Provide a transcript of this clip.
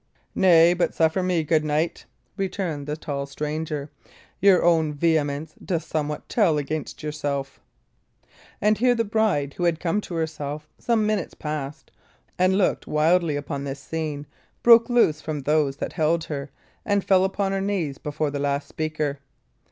"Nay, but suffer me, good knight," returned the tall stranger; "your own vehemence doth somewhat tell against yourself." And here the bride, who had come to herself some minutes past and looked wildly on upon this scene, broke loose from those that held her, and fell upon her knees before the last speaker.